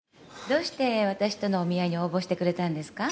どうして私とのお見合いに応募してくれたんですか？